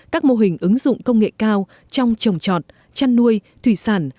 các mô hình ứng dụng công nghệ cao trong trồng trọt chăn nuôi thủy sản